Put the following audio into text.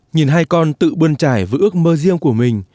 nhìn hai con tự bơn trải với ước mơ riêng của mình